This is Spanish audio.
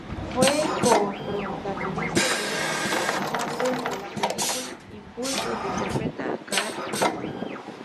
Fue co-protagonista de William Shatner en la película "Impulse", donde interpreta a Karate Pete.